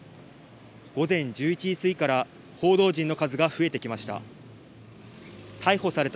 午前１１時過ぎから報道陣の数が増えてきました。